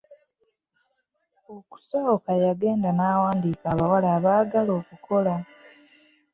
Okusooka yagenda n'awandiika abawala abaagala okukola.